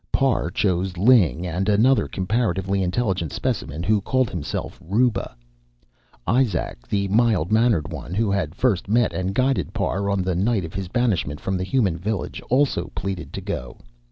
Parr chose Ling and another comparatively intelligent specimen who called himself Ruba. Izak, the mild mannered one who had first met and guided Parr on the night of his banishment from the human village, also pleaded to go.